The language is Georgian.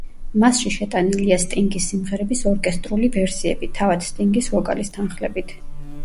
მასში შეტანილია სტინგის სიმღერების ორკესტრული ვერსიები, თავად სტინგის ვოკალის თანხლებით.